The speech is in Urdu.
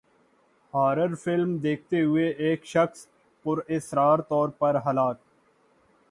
ہارر فلم دیکھتے ہوئے ایک شخص پراسرار طور پر ہلاک